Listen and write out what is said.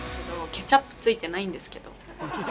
ケチャップついてないんですけど。